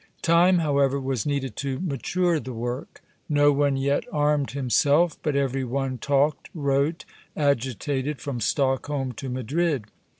Time, however, was needed to mature the work. "No one yet armed himself; but every one talked, wrote, agitated, from Stockholm to Madrid....